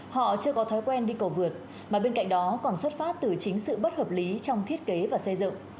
họ chưa có thói quen đi cầu vượt mà bên cạnh đó còn xuất phát từ chính sự bất hợp lý trong thiết kế và xây dựng